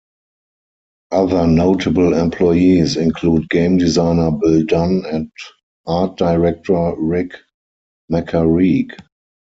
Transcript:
Other notable employees include game designer Bill Dunn and art director Rick Macaraeg.